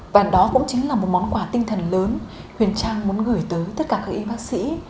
và đó cũng chính là một món quà tinh thần lớn huyền trang muốn gửi tới tất cả các y bác sĩ